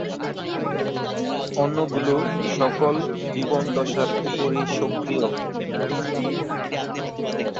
অন্যগুলো সকল জীবন দশার উপরই সক্রিয়।